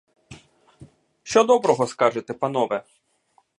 Що доброго скажете, панове?